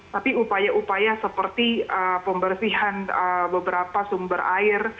tapi upaya upaya seperti pembersihan beberapa sumber air